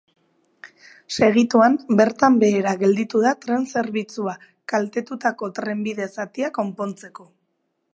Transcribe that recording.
Segituan, bertan behera gelditu da tren zerbitzua, kaltetutako trenbide zatia konpontzeko.